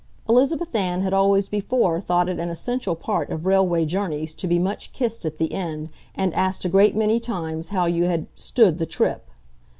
Elizabeth Ann had always before thought it an essential part of railway journeys to be much kissed at the end and asked a great many times how you had "stood the trip."